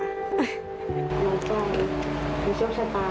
หัวใจโปรโชคชะตา